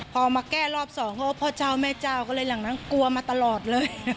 พอมาแก้รอบสองก็พ่อเจ้าแม่เจ้าก็เลยหลังนั้นกลัวมาตลอดเลย